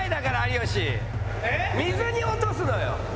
水に落とすのよ。